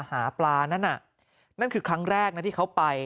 หาปลานั่นน่ะนั่นคือครั้งแรกนะที่เขาไป